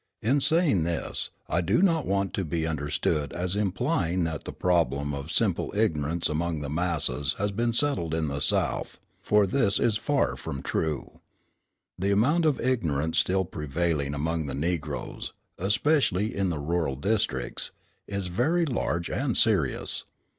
In saying this, I do not want to be understood as implying that the problem of simple ignorance among the masses has been settled in the South; for this is far from true. The amount of ignorance still prevailing among the Negroes, especially in the rural districts, is very large and serious.